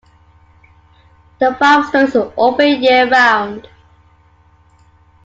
The farm store is open year round.